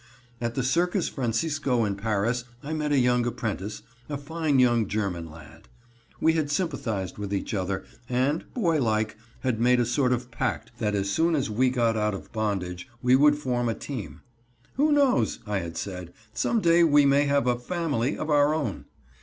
At the Circus Francisco in Paris I met a young apprentice, a fine young German lad. We had sympathized with each other, and, boy like, had made a sort of pact that as soon as we got out of bondage we would form a team. "Who knows," I had said, "some day we may have a 'family' of our own."